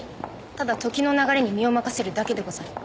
ただ時の流れに身を任せるだけでござる。